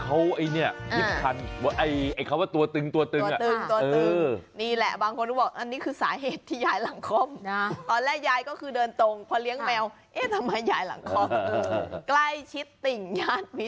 โอ้ได้เลี้ยงหลายตัวเลยนะทุกนี้ดิ